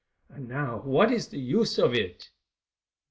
And now what is the use of it?"